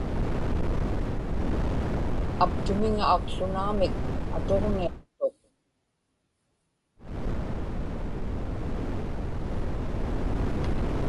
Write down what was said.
aptumiŋa akłuunamik atuġniaqtuq